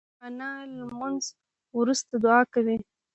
انا له لمونځ وروسته دعا کوي